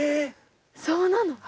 そうなの？